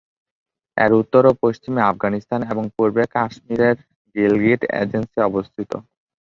এর উত্তর ও পশ্চিমে আফগানিস্তান এবং পূর্বে কাশ্মীরের গিলগিট এজেন্সি অবস্থিত।